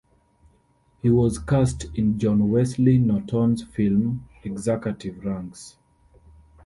He was cast in John Wesley Norton's film "Executive Ranks".